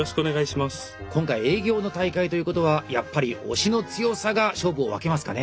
今回営業の大会ということはやっぱり押しの強さが勝負を分けますかね？